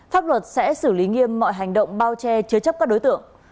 pháp luật sẽ xử lý nghiêm mọi hành động bao che chứa chấp các đối tượng